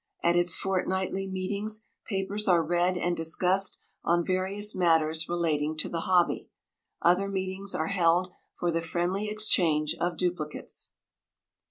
At its fortnightly meetings, papers are read and discussed on various matters relating to the hobby. Other meetings are held for the friendly exchange of duplicates.